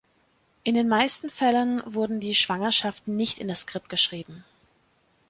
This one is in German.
In den meisten Fällen wurden die Schwangerschaften nicht in das Skript geschrieben.